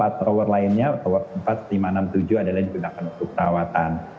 empat tower lainnya tower empat lima enam tujuh adalah digunakan untuk perawatan